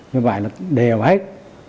như vậy là đều hết